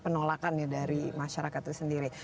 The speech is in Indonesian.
penolakan ya dari masyarakat itu sendiri